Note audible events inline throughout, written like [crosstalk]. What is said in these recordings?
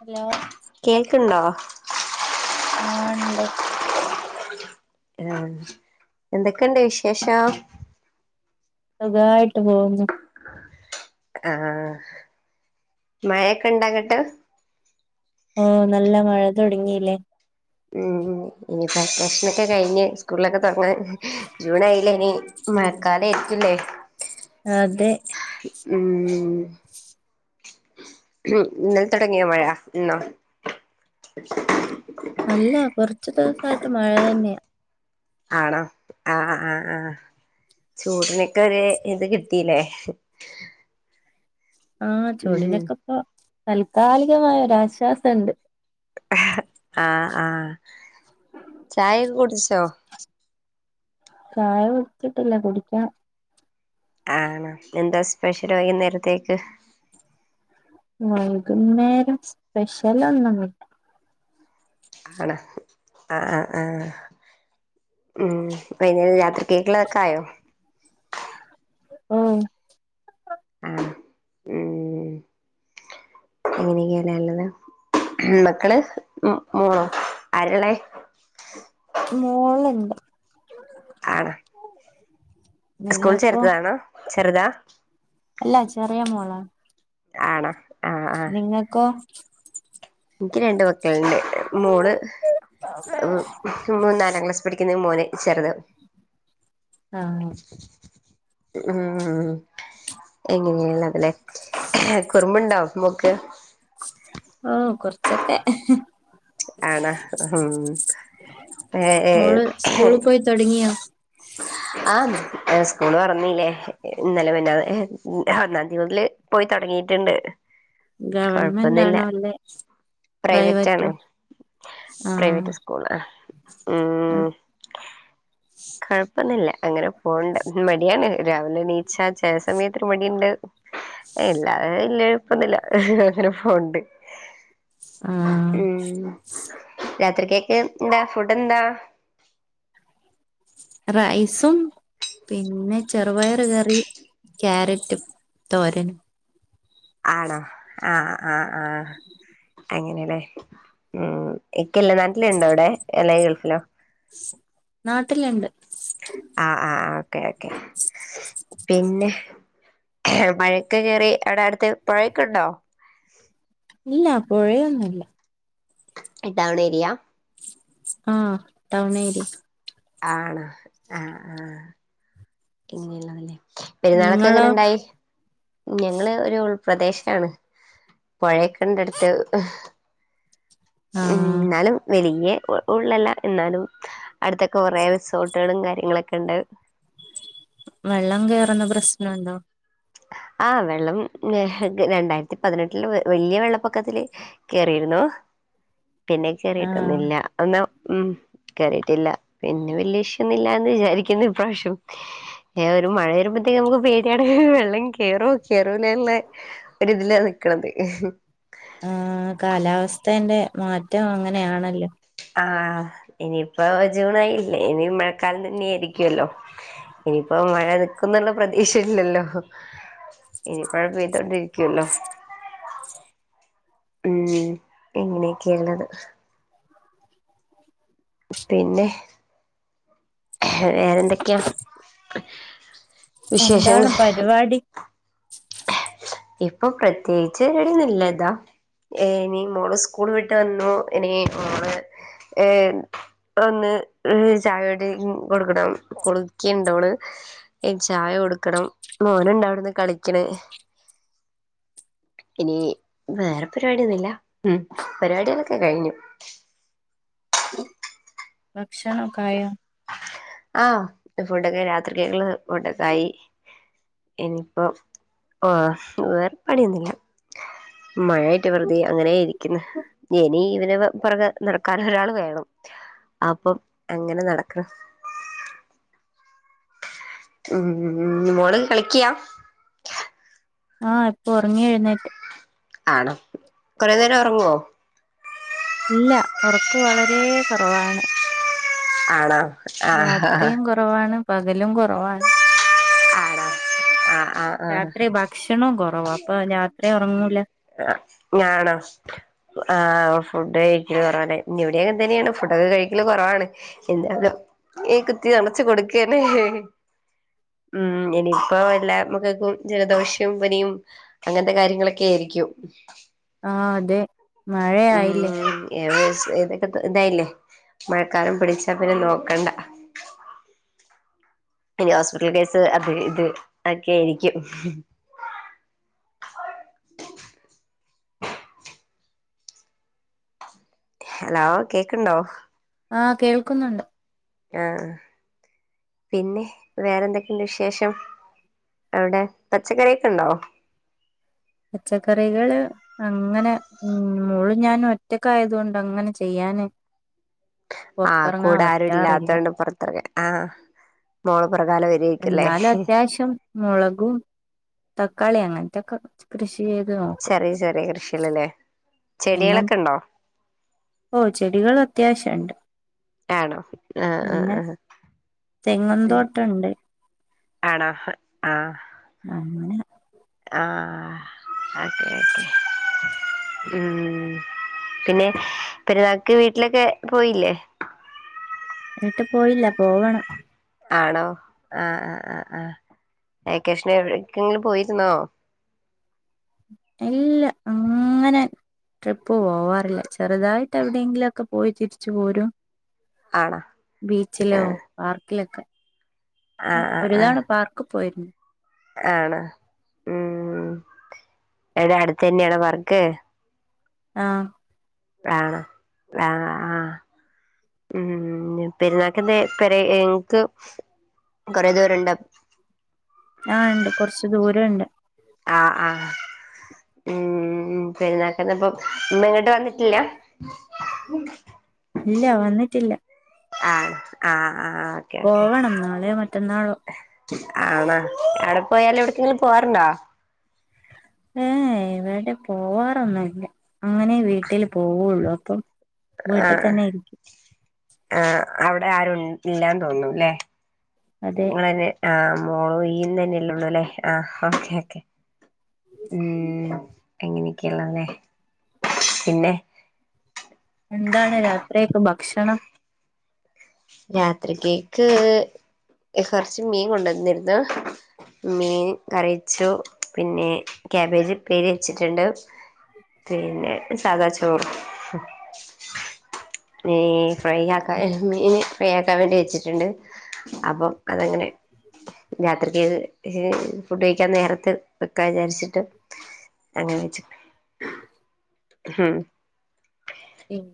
Hello കേൾക്ക്ണ്ടോ ആണ്ട് എ എന്തക്കണ്ട് വിശേഷം സുഖായ്ട്ട് പോവുന്നു ആ മയൊക്കെ ണ്ടങ്ങട്ട് ആ നല്ല മഴ തൊടങ്ങീല്ലേ മ് ഇനിപ്പ വെക്കേഷനൊക്കെ കഴിഞ്ഞ് സ്കൂളൊക്കെ തൊടങ്ങാൻ ജൂണായ്ലെ നീ മഴക്കാലാരിക്കുല്ലേ അ തെ മ് മ് ഇന്നലെ തൊടങ്ങിയൊ മഴ ഇന്നോ അല്ല കൊറച്ചു ദിവസായിട്ട് മഴ തന്നെ ആണോ ആ ആ ആ ചൂടിനൊക്കെ ര് ഇത് കിട്ടീല്ലേ ആ ഉം ചൂടിനൊക്കെ പ്പൊ താൽക്കാലികമായ ഒരാശ്വാസണ്ട് [unintelligible] ആ ആ ചായൊകെ കുടിച്ചോ ചായ കുടിച്ചിട്ടില്ല കുടിക്കണം ആണൊ എന്താ സ്പെഷ്യൽ വൈകുനേരത്തേക്ക് വൈകുന്നേരം സ്പെഷ്യലൊന്നുമില്ല അണൊ അ ആ ആ മ് വൈന്നേര രാത്രികേൾകൊക്കെ ആയോ ആ ആ മ് [unintelligible] മ് മക്കൾംമ് മോളോ ആരാണവ് മോളുണ്ട് ആ സ്കൂളിൽ നിങ്ങൾക്കോ ചേർത്തതാണോ ചെറ്താ അല്ല ചെറിയ മോളാ ആണാ നിങ്ങക്കോ ന്ക്ക് രണ്ട് മക്കള്ണ്ട് മോൾ [unintelligible] ക്യുമു നാലാം ക്ലാസിൽ പഠിക്ക്ന്ന മോന് ചെറുത് ആ ആ മ് എങ്ങനീയ്നടല്ലെ കുറുമ്പുണ്ടോ മോക്ക് ആ കൊറച്ചൊക്കെ ആണ മ്ഹ് എ ഏ ഹേ തൊടങ്ങിയോ ആ ഏ സ്കൂള് തൊറന്നില്ലേ ഇന്നലെ പിന്നെ ഒന്നാം തീ മുതൽ പോയി തൊടങ്ങീട്ടുണ്ട് ഗവൺമെന്റ് കൊഴപ്പൊന്നില്ല ആണോ അല്ലെ പ്രൈവറ്റ് ആണ് പ്രൈവറ്റോ പ്രൈവറ്റ് സ് കൂളാ ഉം ഉം കൊഴപ്പൊന്നില്ല അങ്ങനെ പോണ്ട് മടിയാണ് രാവിലെ എണിച്ച ചെല സമയത്ത് ഒരു മടിയുണ്ട്. എല്ലാ ഇല്ല എളുപ്പന്നില്ല അങ്ങനെ പോണ്ട് ഉം ഉം രാത്രിക്കെക്കെ എന്താ ഫുഡ് എന്താ? റൈസും പിന്നെ ചെറുപയർ കറി ക്യാരറ്റും തോരനും ആണോ ആ ആ ആ അങ്ങനെലേ ഉം ഇക്കല്ലെ നാട്ടില് ഇണ്ടോ ഇവിടെ എല്ല ഗൾഫിലോ? നാട്ടില്ണ്ട് ആ ആ ഓക്കെ ഓക്കെ പിന്നെ മഴക്കെ കേറി അവിടെ അടുത്ത് പുഴയൊക്കെ ഉണ്ടോ? ഇല്ല പുഴയൊന്നുല്ല ഇ ടൗൺ ഏരിയ ആ ടൗൺ ഏരി ആണോ ആ ആ പെരുന്നാളൊക്കെ നിങ്ങളോ എങ്ങനെണ്ടായി? ഞങ്ങള് ഒരു ഉൾപ്രദേശാണ് പൊഴയൊക്കെണ്ട് അടുത്ത് ഉം ആഹ് ന്നാലും വലിയ ഉള്ളല്ല എന്നാലും അടുത്തൊക്കെ കൊറേ റിസോർട്ടുകളും കാര്യങ്ങളൊക്കണ്ട്. വെള്ളം കേറുന്ന പ്രശ്നം ഉണ്ടോ? ആ വെള്ളം ഏ രണ്ടായിരത്തി പതിനെട്ടില് വല്ല്യ വെള്ളപ്പൊക്കത്തില് കേറിയിരുന്നു പിന്നെ ആഹ് കേറിട്ടൊന്നുല്ല അന്നാ ഉം കേറിയിട്ടില്ല പിന്നെ വല്ല്യ ഇഷ്യൂ ഒന്നുല്ലാന്ന് വിചാരിക്കുന്നു ഈപാവശ്യം ഏ ഒരു മഴ വരുമ്പോഴത്തേക്ക് നമുക്ക് പേടിയാണ് വെള്ളം ഉം കേറോ കേറോന്നുള്ള ഒരു ഇതിലാ നിക്ക്ണത്. ആ കാലാവസ്ഥേന്റെ മാറ്റം അങ്ങനെയാണല്ലോ. ആ ഇനിയിപ്പോ ജൂണായില്ലേ ഇനി മഴക്കാലം തന്നെ ആയിരിക്കുവല്ലോ ഇനിയിപ്പോ മഴ നിക്കൂന്നുള്ള പ്രതീക്ഷയില്ലല്ലോ ഇനിയിപ്പോഴെ പെയ്തോണ്ടിരിക്കുവല്ലോ ഉം.. ഇങ്ങനെയൊക്കെയുള്ളത് പിന്നെ വേറെ എന്തൊക്കെയാ എന്താണ് വിശേഷങ്ങള്? പരിപാടി ഇപ്പൊ പ്രത്യേകിച്ച് വിടൊന്നുല്ലതോ ഏ ഇനി മോളുസ്കൂൾ വിട്ടുവന്നു ഇനി മോള് ഏ. ഒന്ന് ഛായ കടി കൊടുക്കണം. കുളിക്കിണ്ടോള് ഇ ഛായ കൊടുക്കണം. മോനുണ്ടവടെന്ന് കളിക്കണ് ഇനി വേറെ പരിപാടിയൊന്നുല്ല. ഉം പരിപാടികളൊക്കെ കഴിഞ്ഞു. ഭക്ഷണൊക്കായോ? ആ ഫുഡൊക്കെ രാത്രിക്കേളിന് ഫുഡൊക്കായി ഇനിപ്പോ ഓ വേറെ പണിയൊന്നുല്ല മഴയായിട്ടു വെറുതെയങ്ങനെയിരിക്കുന്നു, ഇനിയിവനെവ പുറകെ നടക്കാനൊരാളു വേണം. അപ്പം അങ്ങനെ നടക്കാ ഉം മോള് കളിക്കയാ ആഹ് ഇപ്പൊ ഉറങ്ങി എഴുന്നേറ്റ് ആണോ കുറെ നേരം ഒറങ്ങോ ഇല്ല ഉറക്ക് വളരെ കുറവാണ് ആണോ ആഹ് രാത്രിയും കുറ കുറവാണ് പകലും കൊറവാണ് ആണോ ആഹ് ആഹ് രാത്രി ഭക്ഷണവും കുറവാ അപ്പൊ രാത്രി ഒറങ്ങൂല ആഹ് ആണോ ആഹ് ഫുഡുകഴിക്കലു കുറവാ ഇനി ഇവിടെ അങ്ങനെ തന്നെയാണ് ഫുഡൊക്കെ കഴിക്കല് കൊറവാണ് എന്തായാലും നീ കുത്തി നിറച്ചു കൊടുക്കയല്ലേ ഉം എനി ഇപ്പൊ എല്ലാമക്കൾക്കും ജലദോഷം പനിയും അങ്ങനത്തെ കാര്യങ്ങളൊക്കെ ആയിരിക്കും ആഹ് അതെ മഴയായില്ലേ ഉം ഏകദേശ ഇതൊക്കെ ഇതായില്ലേ മഴക്കാലം പിടിച്ചാപിന്നെ നോക്കണ്ട പിന്നെ ഹോസ്പിറ്റൽ കേസ് അത് ഇത് ഒക്കെയായിരിക്കും ഹലോ കേക്ക്ണ്ടോ ആഹ് കേൾക്കുന്നുണ്ട് ആഹ് പിന്നെ വേറെന്തൊക്കെയുണ്ട് വിശേഷം. അവിടെ പച്ചക്കറിയൊക്കെയുണ്ടോ പച്ചക്കറികള് അങ്ങനെ ഉം മോളും ഞാനും ഒറ്റക്കായതു കൊണ്ടങ്ങനെ ചെയ്യാന് ആഹ് പുറത്തിറങ്ങാൻ പറ്റാറില്ല കൂടെയാരുമില്ലാത്തോണ്ട് പുറത്തിറങ്ങാൻ ആഹ് മോളു പുറകാലേവരും എന്നാലുമത്യാവശ്യം മുളകും തക്കാളി അങ്ങനത്തെയൊക്കെ കൃഷി ചെയ്തുനോക്കും ചെറിയ ചെറിയ കൃഷികളല്ലേ പിന്നെ ചെടികളൊക്കെ ഉണ്ടോ ഓഹ് ചെടികളും അത്യാവശ്യണ്ട് ആണോ ആഹ് ആഹ് ആഹ് ഉം ഉണ്ട് ആണോ ആഹ് അങ്ങനെ ആഹ് ഓക്കെ ഓക്കെ ഉം പിന്നെ പെരുന്നാക്കു വീട്ടിലൊക്കെ പോയില്ലേ വീട്ടിൽ പോയില്ല പോവണം ആണോ ആഹ് ആഹ് ആഹ് ആഹ് വെക്കേഷനെവിടെക്കെങ്കിലും പോയിരുന്നോ ഇല്ല അങ്ങനെ ട്രിപ്പുപോവാറില്ല ചെറുതായിട്ട് എവിടെയെങ്കിലൊക്കെ പോയി തിരിച്ചു പോരും ആണോ ബീച്ചിലോ ആഹ് പാർക്കിലൊക്കെ ആഹ് ആഹ് ആഹ് ഒരുതവണ പാർക്ക് പോയിരുന്നു ആണോ ഉം എവിട അടുത്ത തന്നെയാണോ പാർക്ക് ആഹ് ആണോ ആഹ് ആഹ് ഉം പെരുന്നാക്ക് എന്തേ പെരേക്ക് കൊറെ ദൂരം ഇണ്ടോ ആഹ് ഉണ്ട് കുറച്ച് ദൂരണ്ട് ആഹ് ആഹ് ഉം പെരുന്നാക്ക് എന്നിപ്പം ഇമ്മ ഒന്നും ഇങ്ങോട്ട് വന്നിട്ടില്ല ഇല്ല വന്നിട്ടില്ല ആ ആഹ് ആ ഓക്കെ ഓക്കെ പോവണം നാളെയോ മറ്റന്നാളോ ആണോ അവടെ പോയാല് എവ്ട്ക്കെങ്കിലും പോവാറുണ്ടൊ ഏ ഏ എവടെ പോവാറൊന്നുല്ല അങ്ങനെ വീട്ടിൽ പോവൊള്ളു അപ്പം വീട്ട് തന്നെ ഇരിക്കും ആ അവടെ ആരും ഇല്ലാന്ന് തോന്നുല്ലേ അതെ ഇങ്ങളെന്നെ ആ മോളും ഇയ്യുതെന്നല്ലെള്ളൂല്ലെ ആഹ് ഓക്കെ ഓക്കെ ഉം അങ്ങനെക്കെള്ളെ ലെ പിന്നെ എന്താണ് രാത്രിയൊക്കെ ഭക്ഷണം രാത്രിക്കേക്ക് കൊർച്ച് മീൻ കൊണ്ടന്നിര്ന്നു മീൻ കറി വെച്ചു പിന്നെ ക്യാബേജ് ഉപ്പേരി വെച്ചിട്ട്ണ്ട് പിന്നെ സാദാ ചോറും മീ ഫ്രൈ ആക്കാ മീൻ ഫ്രൈ ആക്കാൻ വേണ്ടി വെച്ചിട്ട്ണ്ട് അപ്പം അതങ്ങനെ രാത്രിക്കേക്ക് ഫുഡയ്ക്കാൻ നേരത്ത് വെക്കാ വിചാരിച്ചിട്ട് അങ്ങനെ വെച്ച് ഉം ഉം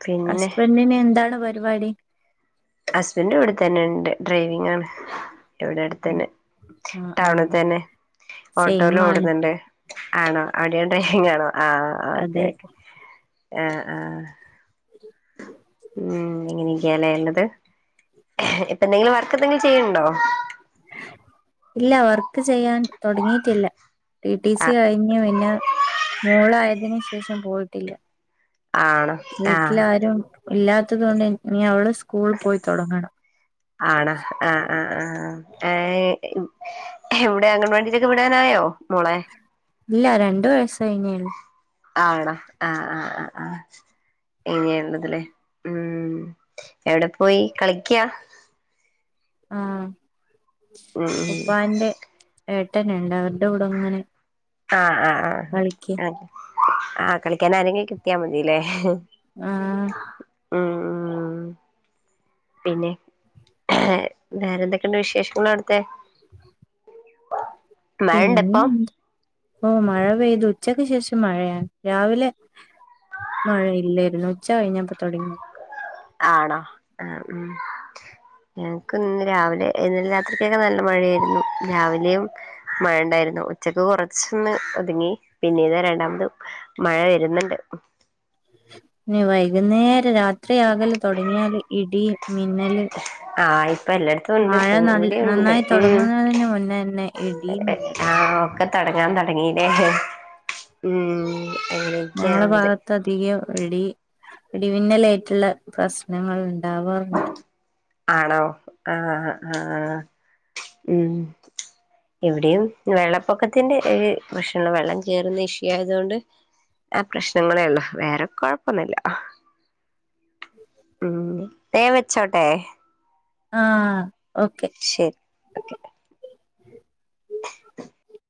ഉം പിന്നെ ഹസ്ബന്റിന് എന്താണ് പരിപാടി ഹസ്ബന്റ് ഇവടെത്തെന്നെ ണ്ട് ഡ്രൈവിങ്ങാണ് ട്ടൊ ഇവടെ ആഹ് അട്ത്തെന്നെ ആഹ് ടൗണ്ത്തെന്നെ സെയിം ആണ് ഓട്ടോലോടുന്ന്ണ്ട് ആണോ അവിടേം ഡ്രൈവിങ്ങാണോ ആ ഓക്കെ അതെ ഓക്കെ ആ ആ [unintelligible] ഉം ഇങ്ങനെക്ക്യാല്ലേ ള്ളത് ഇപ്പെന്തെങ്കിലും വർക്കെന്തെങ്കിലും ചെയ്യ്ണ്ടോ ഇല്ല വർക്ക് ചെയ്യാൻ തൊടങ്ങീട്ടില്ല ടി ടി സി ആഹ് കഴിഞ്ഞ് പിന്നെ മോളായതിന് ശേഷം പോയിട്ടില്ല ആണോ വീട്ടിൽ ആഹ് ആരും ഇല്ലാത്തത് കൊണ്ട് ഞ്ഞി അവള് സ്കൂൾ പോയി തൊടങ്ങണം ആണോ ആ ആ ആ ഏ [unintelligible] എവടെ അങ്ങൻ വാടീലൊക്കെ വിടാനായോ മോളെ ഇല്ല രണ്ടു വയസ്സ് കയ്ഞ്ഞേ ള്ളു ആവണം ആ ആ ആ ആ ഇനിയിള്ളതില് ഉം എവടെ പോയി കളിക്ക ആ ഉം ഉം ഉപ്പാന്റെ ഏട്ടന്ണ്ട് അവര്ടെ കൂടെങ്ങനെ ആ ആ ആ [unintelligible] ആ കളിക്കാൻ ആരെങ്കി കിട്ട്യാ മതില്ലേ ആ ഉം ഉം പിന്നെ വേറെന്തൊക്കെണ്ട് വിശേഷങ്ങളവ്ട്ത്തെ [inaudible] ഇണ്ടപ്പം പിന്നെന്ത്‌ പ്പൊ മഴ പെയ്തു ഉച്ചക്ക് ശേഷം മഴയാണ് രാവിലെ മഴല്ലെര്ന്നു ഉച്ച കയ്ഞ്ഞപ്പോ തൊട‌ങ്ങി ആണോ ഏഹ് ഉം ഞങ്ങക്ക് ഇന്ന് രാവിലെ ഇന്നലെ രാത്രിക്കെന്നെ ന്നല്ല മഴെര്ന്നു രാവിലെയും മഴണ്ടായിരുന്നു ഉച്ചക്ക് കൊറച്ചൊന്ന് ഒതുങ്ങി പിന്നീത രണ്ടാമതും മഴ വെര്ന്ന്ണ്ട് ഞ്ഞി വൈകുന്നേരം രാത്രിയാകല് തൊടങ്യാല് ഇടി മിന്നല് ആ ഇപ്പല്ലെട് ത്തുണ്ട് മഴ നൽ ഇവിടിയുണ്ട് നന്നായി ഉം തൊടങ്ങുന്നതിന് മുന്നേ തന്നെ ഇടി മിന്നലും ആ ആണ് ഒക്ക തുടങ്ങാൻ തുടങ്ങിലേ ഉം ഞങ്ങള അങ്ങനെയൊക്കെയാണുള്ളത് ഭാഗത്ത് അധികം ഇടി ഇടിമിന്നലേറ്റുള്ള പ്രശ്നങ്ങളുണ്ട് ടവറിന്റെ ആണോ ആഹ് ആഹ് ഉം ഇവിടെയും വെള്ളപ്പൊക്കത്തിന്റെ [unintelligible] വെള്ളം കേറുന്ന ഇഷ്യൂ ആയതുകൊണ്ട് ആ പ്രശ്നങ്ങളേ ഉള്ളു വേറെ കുഴപ്പൊന്നു ഇല്ല [inaudible] ദേ വെച്ചോട്ടെ ആഹ് ഓക്കെ ശരി ഓക്കെ